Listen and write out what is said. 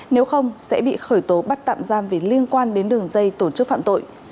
nếu không sẽ bị khởi tố bắt tạm giam vì liên quan đến đường dây tổ chức phạm tội